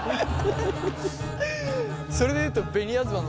それで言うと紅あずまの方が。